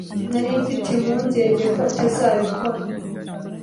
Nari mfite impungenge ko utazabikora